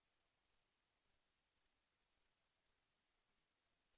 แสวได้ไงของเราก็เชียนนักอยู่ค่ะเป็นผู้ร่วมงานที่ดีมาก